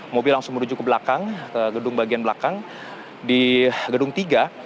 mobil langsung menuju ke belakang ke gedung bagian belakang di gedung tiga